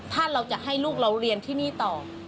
ถ้าเราจะให้ลูกเราเรียนที่นี่ต่อ